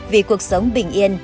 vì cuộc sống bình yên